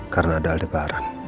karena ada aldebaran